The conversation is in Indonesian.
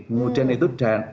kemudian itu dadaat